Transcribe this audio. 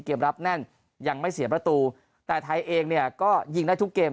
เกมรับแน่นยังไม่เสียประตูแต่ไทยเองเนี่ยก็ยิงได้ทุกเกม